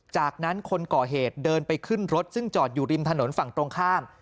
จากนั้นคนก่อเหตุเดินไปขึ้นรถซึ่งจอดอยู่ริมถนนฝั่งตรงข้าม